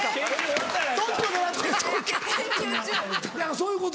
そういうこと。